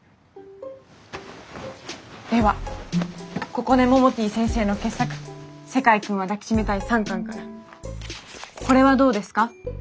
ではここねモモティ先生の傑作「世界くんは抱きしめたい」三巻からこれはどうですか？